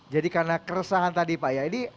jadi karena keresahan tadi pak ya ini